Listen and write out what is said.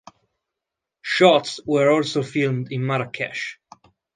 Shots were also filmed in Marrakech.